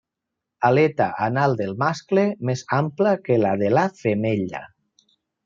Aleta anal del mascle més ampla que la de la femella.